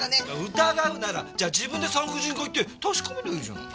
疑うなら自分で産婦人科行って確かめりゃいいじゃない。